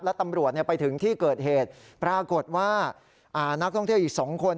และตำรวจไปถึงที่เกิดเหตุปรากฏว่านักท่องเที่ยวอีก๒คน